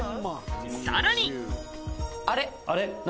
さらに。